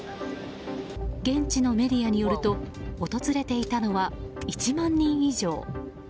現地のメディアによると訪れていたのは１万人以上。